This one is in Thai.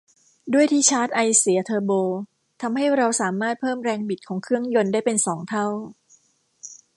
ด้วยที่ชาร์จไอเสียเทอร์โบทำให้เราสามารถเพิ่มแรงบิดของเครื่องยนต์ได้เป็นสองเท่า